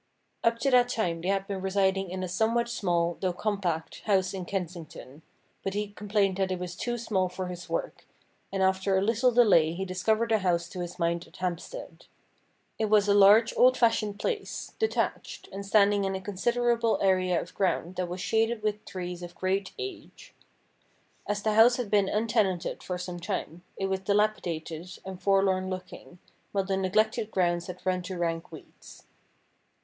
Up to that time they had been residing in a somewhat small, though compact, house in Kensington, but he com plained that it was too small for his work, and after a little delay he discovered a house to his mind at Hampstead. It was a large, old fashioned place, detached, and standing in a considerable area of ground that was shaded with trees of great age. As the house had been untenanted for some time, it was dilapidated and forlorn looking, while the neglected grounds had run to rank weeds.